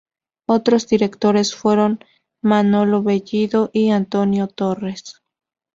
Otros directores fueron Manolo Bellido y Antonio Torres.